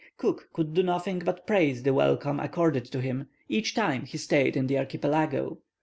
Cook could do nothing but praise the welcome accorded to him, each time he stayed in the archipelago.